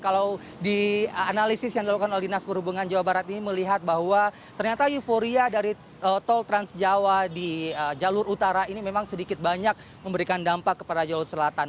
kalau di analisis yang dilakukan oleh dinas perhubungan jawa barat ini melihat bahwa ternyata euforia dari tol trans jawa di jalur utara ini memang sedikit banyak memberikan dampak kepada jalur selatan